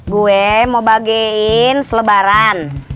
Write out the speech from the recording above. gue mau bagiin selebaran